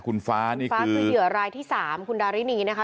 คุณฟ้านี่ฟ้าคือเหยื่อรายที่๓คุณดารินีนะคะ